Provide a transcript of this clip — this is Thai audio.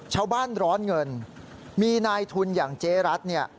ชาวบ้านร้อนเงินมีนายทุนอย่างเจ๊รัฐ